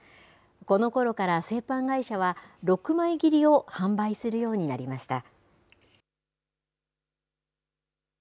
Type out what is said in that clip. このころから製パン会社は、６枚切りを販売するようになりました。